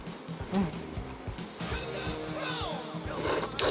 うん。